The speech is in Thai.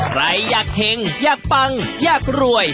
ใครอยากเห็งอยากปังอยากรวย